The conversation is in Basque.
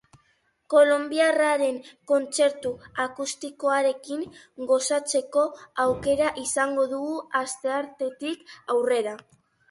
Kolonbiarraren kontzertu akustikoarekin gozatzeko aukera izango dugu asteartetik aurrera.